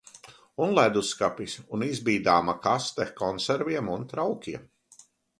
Un ledusskapis, un izbīdāma kaste konserviem un traukiem...